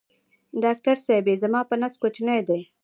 ډاکټر صېبې زما په نس کوچینی دی